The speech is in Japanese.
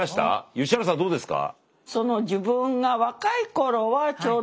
吉原さんどうですか？